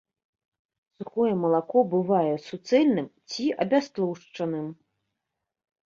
Сухое малако бывае суцэльным ці абястлушчаным.